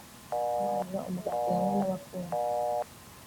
kumanyura umugati hamwe nabakunda